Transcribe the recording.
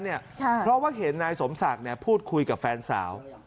เพราะว่าเห็นนายสมศักดิ์พูดคุยกับแฟนสาว